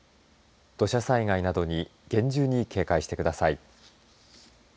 土砂災害などに厳重に警戒してください。